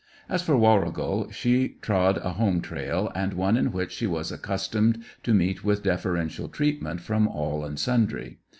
As for Warrigal, she trod a home trail, and one in which she was accustomed to meet with deferential treatment from all and sundry.